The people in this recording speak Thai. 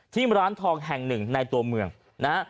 ที่ร้านทองแห่ง๑ในตัวเมืองนะ